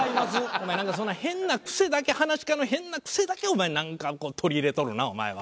お前なんかそんな変な癖だけ噺家の変な癖だけお前なんか取り入れとるなお前は。